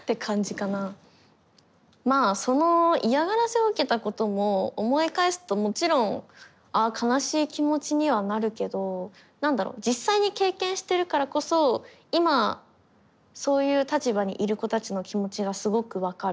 まあその嫌がらせを受けたことも思い返すともちろん悲しい気持ちにはなるけど何だろ実際に経験してるからこそ今そういう立場にいる子たちの気持ちがすごく分かる。